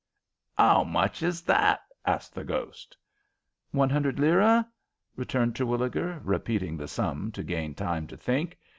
"'Ow much his that?" asked the ghost. "One hundred lire?" returned Terwilliger, repeating the sum to gain time to think.